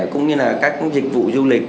cũng như là các dịch vụ du lịch